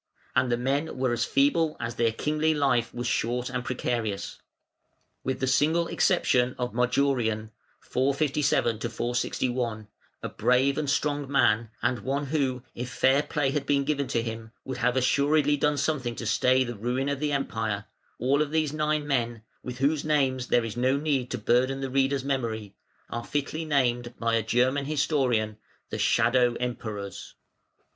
And the men were as feeble as their kingly life was short and precarious. With the single exception of Majorian, (457 461), a brave and strong man, and one who, if fair play had been given him, would have assuredly done something to stay the ruin of the Empire, all of these nine men (with whose names there is no need to burden the reader's memory) are fitly named by a German historian "the Shadow Emperors".